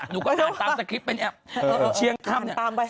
หนูก็เดินตามสคริปต์เป็นแอปเชียงคำเนี่ย